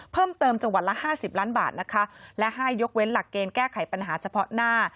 เพิ่มเติมจังหวัดละ๕๐ล้านบาทและให้ยกเว้นหลักเกณฑ์แก้ไขปัญหาเฉพาะหน้า